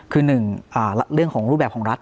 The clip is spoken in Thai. คือหนึ่งเรื่องของรูปแบบของรัฐ